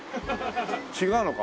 違うのか？